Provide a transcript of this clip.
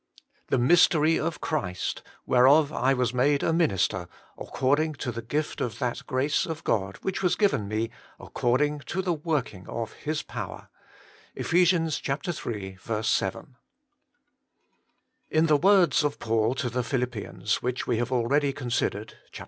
The mystery of Christ, whereof I was made a minister, according to the gift of that grace of God which was given me according to the working of His power/ — Eph. iii. 7. IN the words of Paul to the Philippians, which we have already considered (Chap.